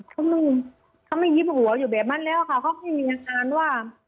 เขาไม่ยิ้มหัวอยู่แบบนั้นแล้วค่ะเขาไม่มีการว่า